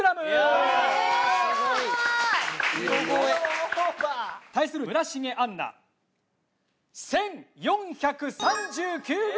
すごい！対する村重杏奈１，４３９ｇ！